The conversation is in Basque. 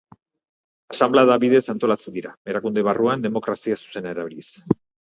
Asanblada bidez antolatzen dira, erakunde barruan demokrazia zuzena erabiliz.